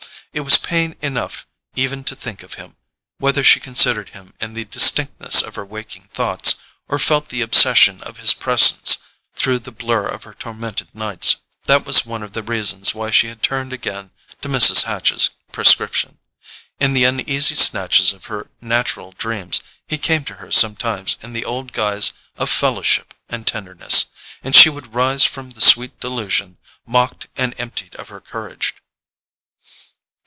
It was pain enough even to think of him, whether she considered him in the distinctness of her waking thoughts, or felt the obsession of his presence through the blur of her tormented nights. That was one of the reasons why she had turned again to Mrs. Hatch's prescription. In the uneasy snatches of her natural dreams he came to her sometimes in the old guise of fellowship and tenderness; and she would rise from the sweet delusion mocked and emptied of her courage.